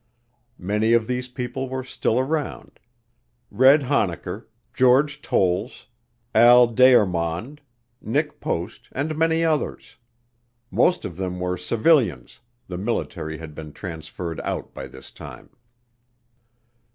Many of these people were still around, "Red" Honnacker, George Towles, Al Deyarmond, Nick Post, and many others. Most of them were civilians, the military had been transferred out by this time.